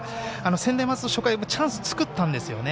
専大松戸、初回チャンスを作ったんですよね。